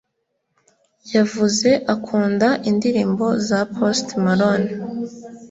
yavuze akunda indirimbo za post malone